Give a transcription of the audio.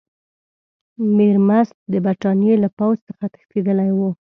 میرمست د برټانیې له پوځ څخه تښتېدلی وو.